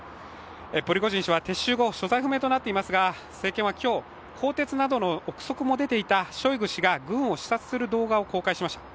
プリゴジン氏は撤収後所在不明となっていますが政権は今日、更迭などの臆測も出ていたショイグ氏が軍を視察する動画を公開しました。